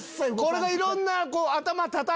これがいろんな。